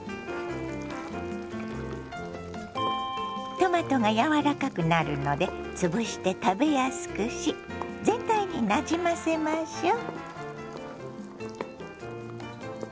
トマトが柔らかくなるので潰して食べやすくし全体になじませましょう。